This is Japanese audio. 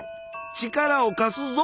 力を貸すぞ！